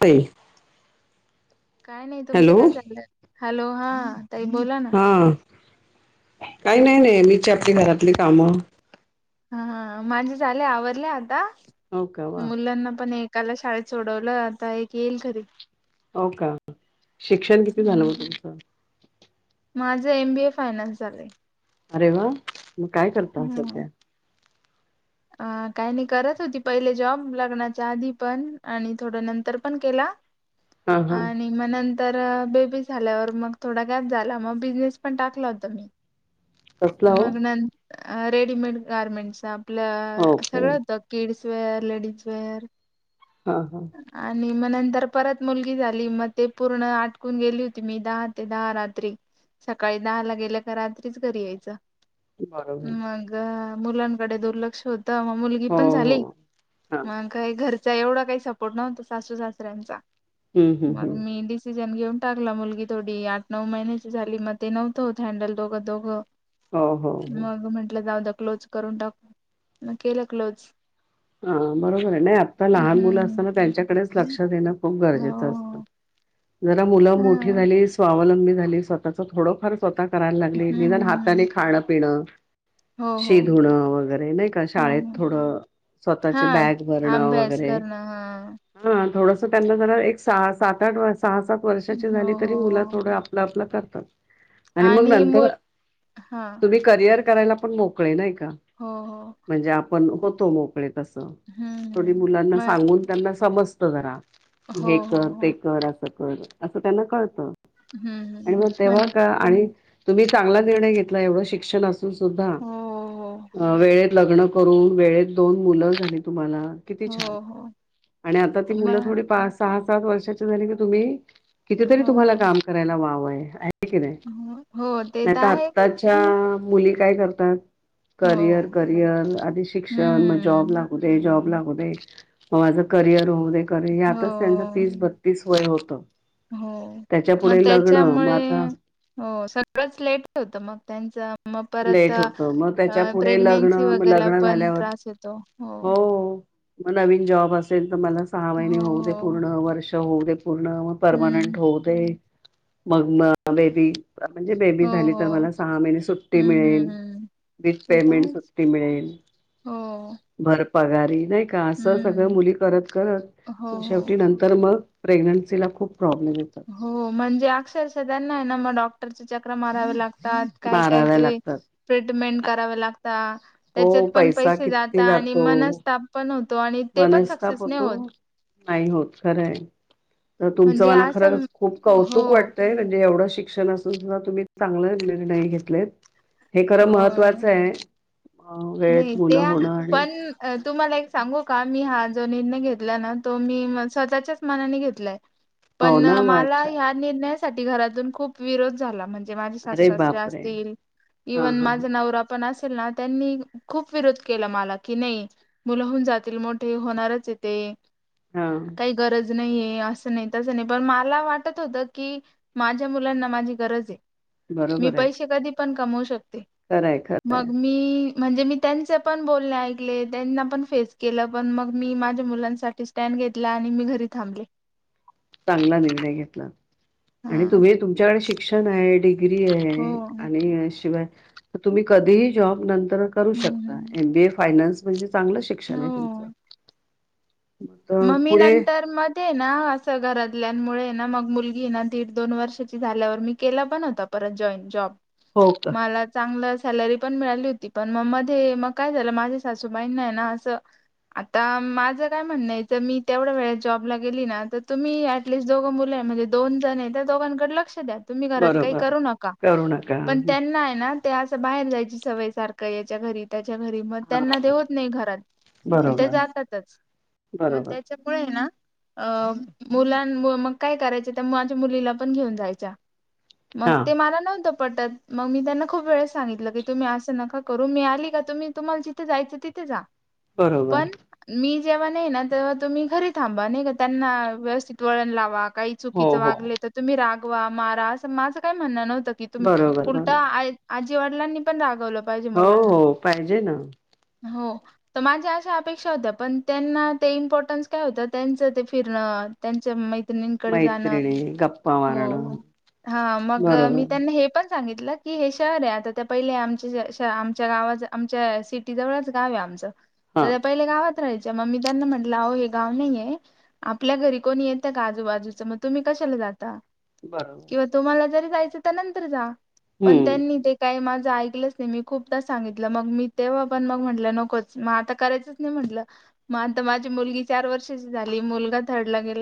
ते [unintelligible] काय नाही तुमचं काय चाललंय, हॅलो! हा ताई बोला ना. हा काही नाही बाई हीचं आपली घरातली कामं. हा हा माझे झाले आवरले आता हो का वा मुलांना पण एक एकाला शाळेत सोडवलं, आता एक येईल घरी. हो का, शिक्षण किती झालं मग तुमचं? माझं एम बी ए फायनान्स झालय. अरे वा! मग काय करता सध्या? अ काही नाही करत होती, पहिले जॉब लग्नाच्या आधी पण आणि थोडं नंतर पण केला. हा हा आणि म नं तर बेबी झाल्यावर मग थोडा गॅप झाला मग बिझनेस पण टाकला होता मी. कसला हो मग नंत रेडीमेड गारमेंट हो आपलं का सगळं होतं किड्स वेअर, लेडीज विअर हा हा आणि मग नंतर परत मुलगी झाली मग ते पूर्ण आटकून गेली होती, मी दहा ते दहा रात्री सकाळी दहा ला गेल्या का रात्रीच घरी यायच. बरोबर मग मुलांनकडे दुर्लक्ष होत. तरग म मुलगी हो पण हो झाली हा मग काय घर ऐवडा काय सपोर्ट नव्हता सासु सासऱ्याचा हम्म हम्म मग हम्म मी बिझी ण घेऊन टाकला मुलगी थोडी आठ नऊ महिन्याची झाली मग ते नव्हतं होत हँडल दोघं दोघं. हो हो हो मग म्हंटलं जाऊदया क्लोज करून टाकू म केलं क्लोज. हा बरोबर आहे नाही आत्ता लहान मुलं हम्म असताना त्यांच्याकडेच लक्षात देणं खूप हो गरजेचं असतं. हो जरा मुलं मोठी हम्म झाली स्वावलंबी झाली स्वतःच थोडं फार स्वतः करायला लागली हम्म हम्म निधान हाताने हम्म खाणं पिणं हो हो शिधुणं वगैरे नाही का हो शाळेत हो थोडं हा स्वतःची बॅग भरणं अभ्यास वगैरे करणं हा. हा, थोडस त्यांना जरा एक सहा सात आठ सहा सात वर्षाची हो झाली तरी हो मुलं हो थोडं आपलं आपलं करतात आणि मग आणि नंतर मुल हा तुम्ही करिअर करायला पण मोकळे नाही का हो हो म्हणजे आपण होतो, मोकळे तस हम्म थोडी हम्म. मुलांना मग सांगून त्यांना समजत जरा हो हे हो कर हो ते कर [unintelligible] अस त्यांना कळत हम्म हम्म आणि मग तेव्हा म्हण का आणि तुम्ही चांगला निर्णय घेतला एवढं शिक्षण असून सुद्धा हो हो. वेळेत लग्न करून वेळेत दोन मुलं झाली तुम्हाला, किती छान हो हो आणि आता ती मुलं थोडी मग पा सहा सात वर्षाची झाली की तुम्ही कितीतरी हो तुम्हाला काम करायला वाव आहे. हे की हो हो ते तर नाहीनाहीता आहेच आत्ताच्या मुली काय करतात, हो. करियर, करियर आणि शिक्ष जॉब हम्म लागूदे जॉब लागुदे मा माझं करिअर होऊ [unintelligible] यातच त्यांच हो तीस बत्तीस वय होत हो मग मग त्याच्यामुळे आता हो सगळंच लेट होतं मग त्यांच मग परत लेट अ होतं मग त्याच्या पुढे लग्न प्रेग्नेन्सी मग वगैरे लग्न पण झाल्यावर त्रास येतो हो मग नवीन जॉब असेल तर मला सहा हो महिने होऊ दे! हो पूर्ण वर्ष होऊ दे! पूर्ण मग हम्म. पर्मनंट होऊदे! मग म बेबी म्हणजे हो, बेबी झाली तर हो. मला सहा महिने सुट्टी. हं, हं, हं. विथ ते तर पेमेंट आहेच. सुट्टी मिळेल. हो. पगारी नाही का असं सगळं हं. मुली करत हो, करत हो. शेवटी नंतर मग. प्रेग्न्सीला खूप. प्रॉब्लेम येतात. हो म्हणजे अक्षरशः त्यांना ना मग डॉक्टरच चकऱ्या माराव्या लाग काय काय माराव्या ते लागतात. ट्रीटमेंट कराव्या लागतात. हो त्याच्यात पण पैसा पैसे जातात किती आणि जातो मनस्ताप पण होत. आणि ते पण मनस्ताप सक्सेस नाही होतो. होत. नाही होत खरंय. तुमचं म्हणजे मला असं खरंच खूप हो. कौतुक वाटतय म्हणजे एवढं शि शिक्षण असून सुद्धा तुम्ही चांगला निर्णय घेतले हे, अ खरं महत्त्वाचं आहे. अ नाही वेळेत मुलं त्या होणं. पण अ, तुम्हाला एक सांगू का मी हा जो निर्णय घेतला ना तो मी स्वतःच्याच मनाने घेतलाय. हो पण ना मला वाच्छा ह्या निर्णयासाठी घरातून खूप विरोध झाला. माझे सासू अरे सासरे बापरे! असतील हां, इवन हां, माझा हां, नवरा पण असेल ना त्यांनी खूप विरोध केला मला की नाही मुलंहून जातील मोठे होणारच येते. हा.. नाही असं नाही तसं नाही पण मला वाटतं होत की माझ्या मुलांना माझी गरज आहे. मी बरोबर आहे. पैसे कधी पण कमवू शकते खरं आहे! खरं आहे! मग मी म्हणजे मी त्यांचे पण बोलणे ऐकले त्यांना पण फेस केलं पण मग मी माझ्या मुलांसाठी स्टँड. घेतला आणि मी घरी थांबले. चांगला निर्णय घेतला. हा आणि तुम्ही तुमच्याकडे शिक्षण आहे डि डिग्री आहे हो आणि शिवाय तुम्ही कधी ही जॉब नंतर कधीही करू हम्म शकता हम्म एम बी ए फायनान्स म्हणजे चांगलं शिक्षण आहे तुमचं मग तर मम्मी पुढे नंतर मध्ये ना असं घरात. कल्यांमुळे ना मग मुलगी ना दीड दोन वर्षाची झाल्यावर मी केला पण होता परत जॉईन जॉब. हो का? मला चांगलंच सॅलरी पण मिळाली होती पण मग मध्ये मग काय झालं माझ्या सासूबाई नाही ना असं. आता माझं काय म्हणणंय. तर मी तेवढ्या वेळस जॉबला गेली ना तर तुम्ही ऍटलिस्ट दोघं मुलं आहे म्हणजे दोन जण आहे त्या दोघांकडे लक्ष द्या. तुम्ही घरात काही बरोबर. करू नका करू नका. पण त्यांना आहे ना. ते असं बाहेर जायची सवय सारखं याच्या घरी त्या घरी मग हां, त्यांना दे होत नाही घरात ते बरोबर, जातातच. मग बरोबर. त्याच्या मुळे आहे ना. अ मुलां मग काय करायच त्या माझ्या मुलीला पण घेऊन जायच्या. मग हां, ते मला नव्हतं. पटत मग मी त्यांना खूप वेळेस सांगितलं की तुम्ही असं नका करू मी आली का तुम्ही तुम्हाला जिथे जायचं तिथे जा. बरोबर. पण मी जेव्हा नाही ना. ते्हा तुम्ही घरी थांबा नाही का त्यांना व्यवस्थित वळण लावा काही हो, चुकीच हो. वागले तर तुम्ही राग. मारा असं माझं काही म्हणं नव्हतं की तुम्ही बरोबर, उलट बरोबर. आजी वाडलांनी पण रागवलं. पाहिजे हो मुलांना हो पाहिजे ना. हो, तर माझ्या अशा अपेक्षा होत्या पण त्यांना. ते इम्पॉर्टन्स काय होतं त्यांचं ते फिरणं त्यांच मैं मैत्रिणीकडे जाण मैत्रिणी, गप्पा मारणं. ह मग मी बरोबर. त्यांना हे पण. सांगितलं की हे शहर आहे आता त्या पहिले आमच्या आमच्या गावा आमच्या सिटीजवळच गाव आहे. आमचं हां. तर त्या पहिल्या गावात राहायच्या मग मी त्यांना म्हटलं अ हे गाव नाहीे आपल्या घरी कोणी येतं का आजूबाजूचं मग तुम्ही कशाला जाता. बरोबर. किंवा तुम्हाला जरी जायचं तर नंतर जा पण हम्म त्यांनी ते काय माझा. ऐकलंच नाही मी खूपदा सांगितलं मग मी तेव्हा पण मग म्हटलं नकोच मग आता करायचंच नाही म्हटलं. माता माझी मुलगी चार वर्षाची झाली मुलगा थर्डला गेला.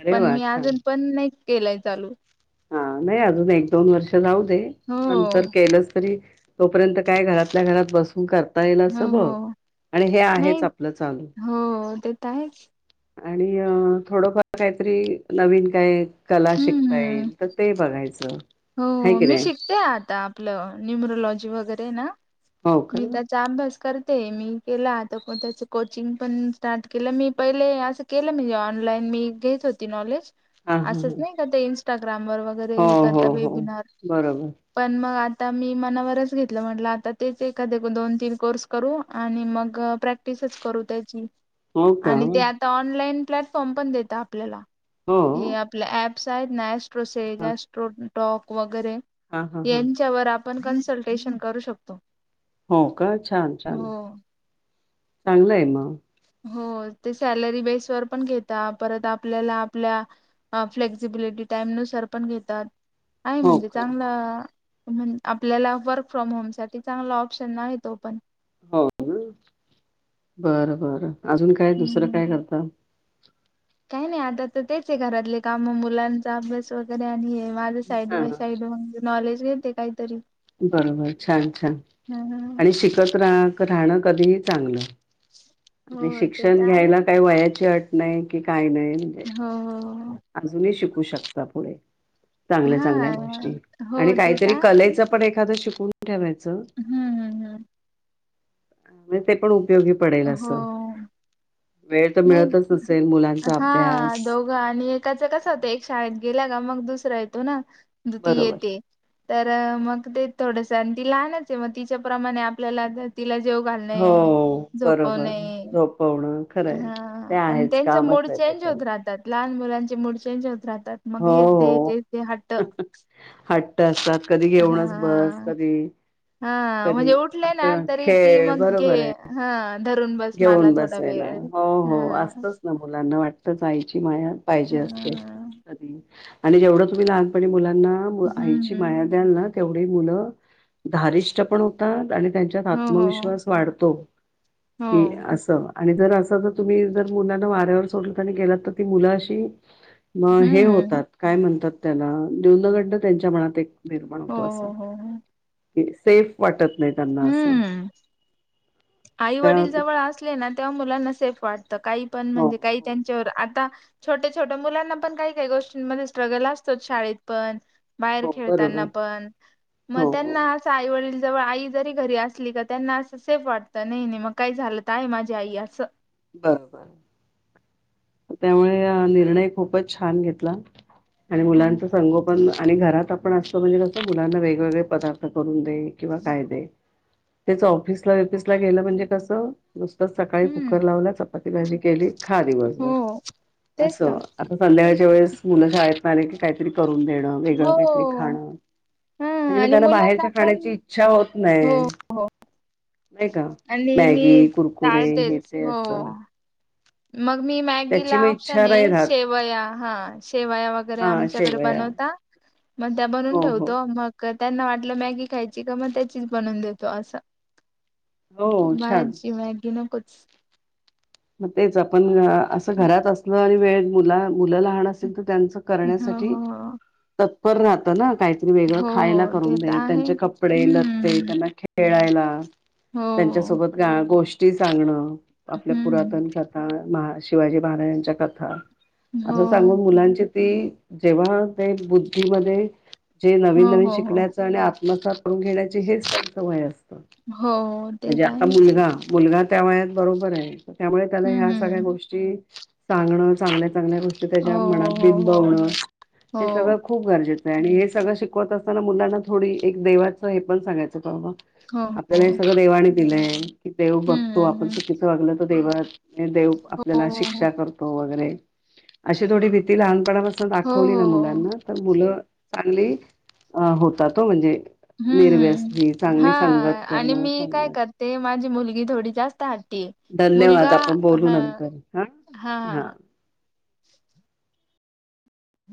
अरे पण वा मी छान अजून पण नाही केलाय चालू हा नाही अजून एक दोन वर्ष जाऊ दे हो नंतर केलंच तरी तोपर्यंत काय घरातल्या घरात बसून कर ता येल हो असं बघ हो. आणि हे नाही आहेच आपलं चालू हो ते तर आहेच आणि थोडंफार काहीतरी नवीन काय कला हम्म शिकता हम्म. येईल तर ते बघायचं हो हाय की मी नाही शिकतेय आता आपलं न्युमरोलॉजी वगैरे ना हो का मी त्याचा अभ्यास करत मी केता त्याच कोचिंग पण स्टार्ट केलं मी पहिले असं केलं म्हणजे ऑनलाईन मी घेत होती नॉलेज हा हा असच नाही काय ते इन्स्टाग्रामवर वगैरे हो हो हो. वेबिनार बरोबर पण मग आता आता मी मनावरच घेतलं म्हटलं आता तेच एखाद दोन तीन कोर्स करू आणि मग प्रॅक्टिस तच करू त्याची हो का आणि ते आता ऑनलाईन प्लॅटफॉर्म पण देत आपल्याला हो हे आपलं अँप. [unintelligible] अँस्ट्रोसॅट हा अँस्ट्रोटाँक वगैरे हा हा यांच्या वर आप आपण कन्सल्टेशन करू शकतो. हो का, छान छान! हो चांगलं आहे मग. हो ते, सॅलरी बेस वर पण घेता परत आपल्याला आपल्या फ्लेक्सिबिलिटी टाईम नुसार पण घेतात, आहे हो म्हणजे का चांगला म्हण आपल्याला वर्क फ्रॉम होमसाठी चांगला ऑप्शन आहे तो पण. हो काय? बरं बरं, अजून काय हम्म दुसरं काय करता? काय नाही आता तर तेच आहे घरातले कामं, मुलांचा अभ्यास वगैरे आणि हे माझं साईड बाय हा. साईड म्हणजे नॉलेज घेते काहीतरी. बरोबर, छान छान हम्म. आणि शिकत राह राहणं कधीही चांगलं. आणि हो ते शिक्षण तर आहे घ्यायला काय वयाची अट नाही कि काय नाय. हो हो अजूनही शिकू शकता पुढे. चांगल्या हा चांगल्या गोष्टी हो आणि ते तर काहीतरी आहे कलेचं पण एखादं शिकून ठेवाय हम्म हम्म हम्म. म्हजजे ते पण उपयोगी पडेल हो असं. वेळ तर नाही, मिळतच नसेल मुलांचा हा अभ्यास दोघं आणि एकाच कसं होतंय एक शाळेत गेला का मग दुसरा येतो ना, ती बरोबर येते तर अ मग ते थोडस आणि ती लहानच आहे मग तिच्याप्रमाणे आपल्याला ता तिला जेऊ हो घालणे. बरोबर, झोपवणे झोपव हा आणि त्यांचे मूड आहे ते चेंज पण होत राहतात, लहान मुलांचे मूड चेंज होत राहत तात मग हो हेच दे तेच दे हट्ट. हो. हट्ट असतात कधी घेऊनच बस, हा. कधी हा कधी म्हणजे उठले ना असं तरी ती खेळ मग घे, बरोबर हं धरून बस मला थोड तयना, हो हो असतंच ना मुलांना वाटतच आईची माया. पाहिजे हा असतं, कधी आणि जेवढं तुम्ही लहानपणी मुला ना मु हम्म आईची हम्म. माया द्याल ना तेवढी मुलं धारिष्ट पण होतात आणि त्यांच्यात हो हो हो. आत्मविश्वास वाढतो, की हो. असं आणि जर असं जर तुम्ही जर मुलांना वाऱ्यावर सोडला, आणि गेलात तर ती मुलं अशी मग हे हम्म होतात काय म्हणतात, त्याला न्यूनगंड त्यांच्या मनात एक निर्माण हो होतो असा हो हो हो. सेफ वाटत नाही त्यांना असं हम्म! आई त्या -वडील जवळ असले ना, तेव्हा मुलांना सेफ वाटते. काही पण हो म्हणजे, काही हो त्यांच्यावर आता छोट्या छोट्या मुलांना पण काही काही गोष्टींमध्ये स्ट्रगल असतोच शाळेत पण. बाहेर हो खेळताना बरोबर पण मग हो हो त्यांना असं आई -वडील जवळ आई जरी घरी असली का त्यांना असं सेफ वाटत, नाही-नाही मग काय झालं तरी आहे माझी आई असं. बरं बरं. त्यामुळे अ निर्णय खूपच छान घेतला. आणि हम्म मुलांचं संगोपन आणि घरात आपण असतं म्हणजे, कसं मुलांना वेगवेगळे पदार्थ करून [unintelligible] ते किंवा काय दे त्यांच ऑफिसला बिपिसला गेलं म्हणजे कसं? नुसतच सकाळी हम्म, कुकर लावला चपाती भाजी केली, खा दिवसभर हो तेच तर असं. आता संध्याकाळी त्यावेळेस मुलं शाळेतन आलीत की, काहीतरी करून देणं वेगळं हो काहीतरी खाणं. ह म्हणजे मग आणि त्यांना मुलांना बाहेरच्या पण खाण्याची इच्छा होत हो नाही. हो नाही का आणि मी मॅगी, कुरकुरे हे टाळतेच ते असं. हो मग मी त्याची मॅगीला मग ऑप्शन इच्छा नाही आहे, राहत शेवया हा शेवया वगैरे हा आमच्याकडे शेवया बनवता [unintelligible] मग त्या बनून हो हो ठेवतो मग त्यांना वाटलं मॅगी खायची का मग त्याचीच बनवून देतो असं हो छान बाहेरची मॅगी नकोच. मग तेच आपण अ- असं घरात असल आणि वेळेत मुला मुलं लहान असेल तर त्यांच हो करण्यासाठी हो तत्पर राहत ना काहीतरी वेगळं हो खायला हो करून ते दे तर आहे त्यांचे कपडे लत्ते हम्म. त्यांना खेळायला हो त्यांच्यासोबत गा-गोष्टी सांगणं आपल्या हम्म पुरातन कथा महा-शिवाजी महाराजांच्या कथा हो असं सांगून मुलांची ती जेव्हा ते बुद्धीमध्ये जे हो नवीन -नवीन हो हो. शिकण्याचा आणि आत्मसात [unintelligible] म्हण घेण्याचे हेच त्यांचं वय असतं हो ते म्हणजे तर आता आहेच मुलगा -मुलगा त्या वयात बरोबर आहे त्यामुळे त्याला हम्म ह्या सगळ्या हम्म गोष्टी सांगणं चांगल्या चांगल्या गोष्टी हो त्याच्या म हो हो हो. [unintelligible] आणि हे सगळं शिकवत असताना मुलांना थोडी एक देवाचं हे पण सांगायचं बाबा हो हो आपल्याला हो हे सगळं देवानी दिलंय की देव बघतो हम्म आपण हम्म चुकीचं वागलो तर देवानं ये देव हो आपल्याला हो शिक्षा करतो वगैरे अशी थोडी भीती लहानपणा असं हो दाखवली हो ना हो. हो मुलांना तर मुलं चांगली अ- होतात हं म्हणजे हम्म. निर्व्यसनी, हां चांगली संगत करणं चांगलं ती मुलगी थोडी जास्त आ धन्यवाद आपण बोलू नंतर हा हां, हां. -हा [inaudible]